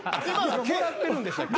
もらってるんでしたっけ？